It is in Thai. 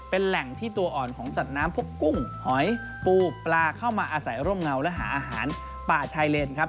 เป็นแหล่งที่ตัวอ่อนของสัตว์น้ำพวกกุ้งหอยปูปลาเข้ามาอาศัยร่มเงาและหาอาหารป่าชายเลนครับ